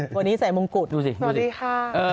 วันนี้ใส่มงกุฎดูสิสวัสดีค่ะ